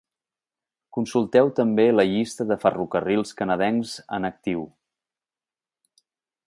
Consulteu també la llista de ferrocarrils canadencs en actiu.